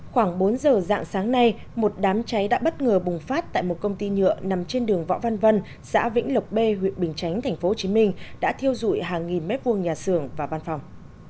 khoảng bốn giờ dạng sáng nay một đám cháy đã bất ngờ bùng phát tại một công ty nhựa nằm trên đường võ văn vân xã vĩnh lộc b huyện bình chánh tp hcm đã thiêu dụi hàng nghìn mét vuông nhà xưởng và văn phòng